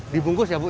dibungkus ya bu ya